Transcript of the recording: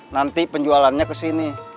nanti penjualannya kesini